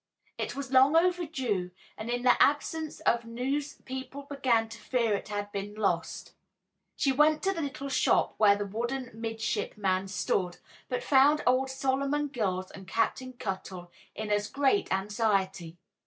It was long overdue, and in the absence of news people began to fear it had been lost. She went to the little shop where the wooden midshipman stood, but found old Solomon Gills and Captain Cuttle in as great anxiety.